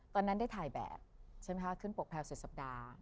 ตอนนั้นได้ถ่ายแบบใช่ไหมคะขึ้นปกแพลวสุดสัปดาห์